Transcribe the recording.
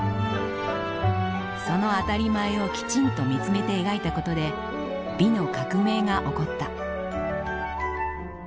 その当たり前をきちんと見つめて描いたことで美の革命が起こった。